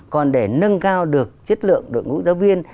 còn để nâng cao được chất lượng đội ngũ giáo viên